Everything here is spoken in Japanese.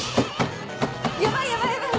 ヤバいヤバいヤバい。